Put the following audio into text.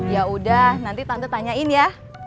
yaudah nanti tante tanyain ya